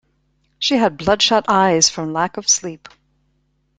She had bloodshot eyes from lack of sleep.